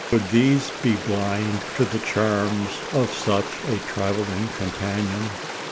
Could these be blind to the charms of such a travelling companion?